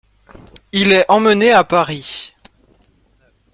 Il est emmené à Paris.